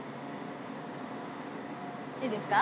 いいですか？